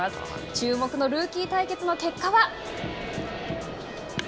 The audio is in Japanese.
注目のルーキー対決の結果は。